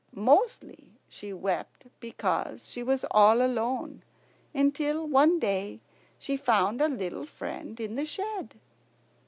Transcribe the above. Mostly she wept because she was all alone, until one day she found a little friend in the shed.